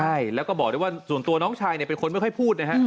ใช่แล้วก็บอกได้ว่าส่วนตัวน้องชายเป็นคนไม่ค่อยพูดนะฮะ